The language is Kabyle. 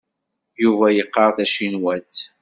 Yuba yeqqar tacinwat.